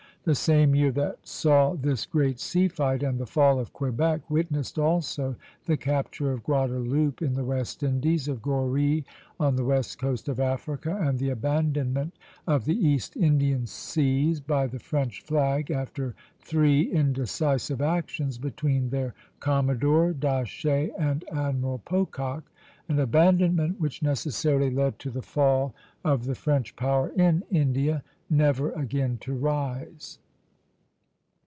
The same year that saw this great sea fight and the fall of Quebec witnessed also the capture of Guadeloupe in the West Indies, of Goree on the west coast of Africa, and the abandonment of the East Indian seas by the French flag after three indecisive actions between their commodore, D'Aché, and Admiral Pocock, an abandonment which necessarily led to the fall of the French power in India, never again to rise.